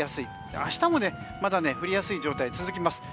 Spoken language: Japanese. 明日もまだ降りやすい状態、続きます。